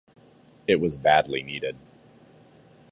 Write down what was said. It was badly needed.